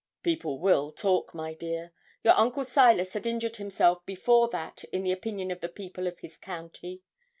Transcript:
'People will talk, my dear. Your uncle Silas had injured himself before that in the opinion of the people of his county.